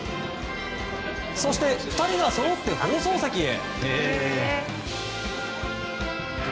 そして、２人がそろって放送席へ。